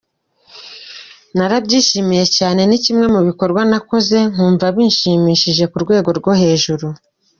Narabyishimiye cyane, ni kimwe mu bikorwa nakoze nkumva binshimishije ku rwego rwo hejuru.